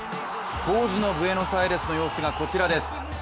当時のブエノスアイレスの様子がこちらです。